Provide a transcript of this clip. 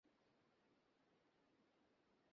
হাতগুলো নিচে নামিয়ে, তালু সামনেদিকে নিয়ে।